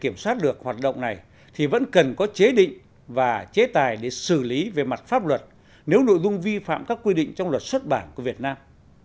kiểm soát được hoạt động này thì vẫn cần có chế định và chế tài để xử lý về mặt pháp luật nếu nội dung vi phạm các quy định trong luật xuất bản của việt nam